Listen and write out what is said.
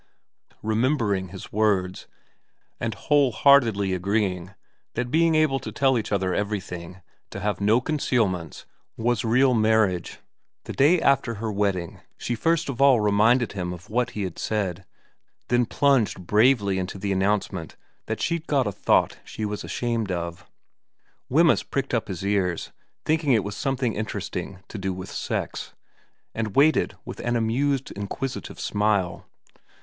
Remembering his words, and whole heartedly agreeing that to be able to tell each other everything, to have no concealments, was real marriage, the day after her wedding she first of all reminded him of what he had said, then plunged bravely into the announcement that she'd got a thought she was ashamed of. Wemyss pricked up his ears, thinking it was some thing interesting to do with sex, and waited with an amused, inquisitive smile.